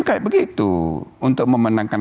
kayak begitu untuk memenangkan